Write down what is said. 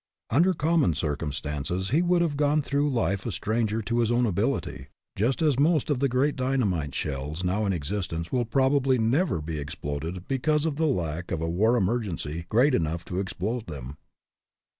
Under common circumstances he would have gone through life a stranger to his own ability, just as most of the great dynamite shells now in existence will probably never be exploded because of the lack of a war emergency great enough to explode them.